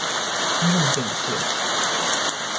公共政策